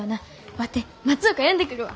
ワテ松岡呼んでくるわ。